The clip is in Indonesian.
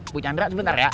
bu chandra sebentar ya